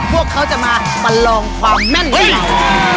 พวกเขาจะมามาลองความแม่นเวลา